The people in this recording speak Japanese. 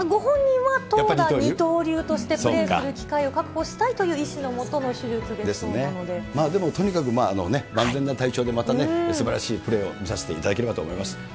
ただ、ご本人は投打二刀流としてプレーする機会を確保したいという意思でもとにかく万全な体調でまたね、すばらしいプレーを見させていただければと思います。